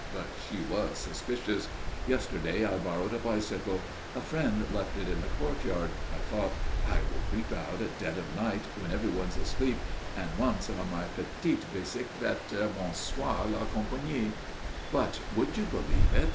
But she was suspicious! Yesterday I borrowed a bicycle. A friend left it in the courtyard. I thought, 'I will creep out at dead of night, when everyone's asleep, and once on my petite bicyclette, bonsoir la compagnie.' But, would you believe it?